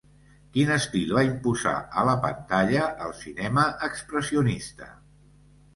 Quin estil va imposar a la pantalla el cinema expressionista?